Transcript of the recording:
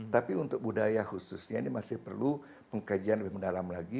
tapi untuk budaya khususnya ini masih perlu pengkajian lebih mendalam lagi